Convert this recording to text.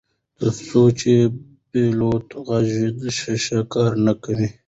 تر څو چې پیلوټ غږیږي شیشه کار نه کوي.